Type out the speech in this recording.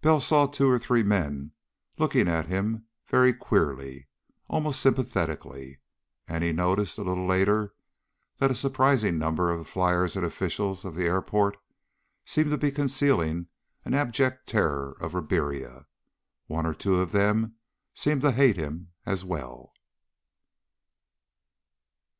But Bell saw two or three men looking at him very queerly. Almost sympathetically. And he noticed, a little later, that a surprising number of fliers and officials of the airport seemed to be concealing an abject terror of Ribiera. One or two of them seemed to hate him as well.